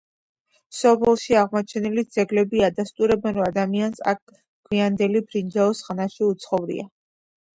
სოფელში აღმოჩენილი ძეგლები ადასტურებენ, რომ ადამიანს აქ გვიანდელი ბრინჯაოს ხანაში უცხოვრია.